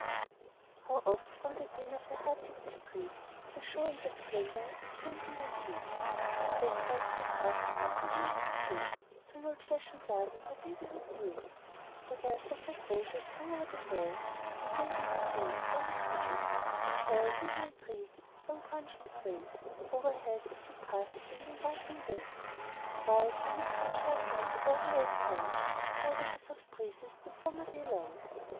How oft from the din of the hard city street, The show and the splendor, in fancy, my feet Stray backward through paths that are dripping with dew, To an old fashioned garden my babyhood knew. A wealth of red roses hung over the wall, And, laden with pink, downy peaches, a tall And willowy tree did its long branches sway O'erhead, as you passed, in an inviting way; While from its green shelter the oriole's song Rode on the soft breezes the summer day long.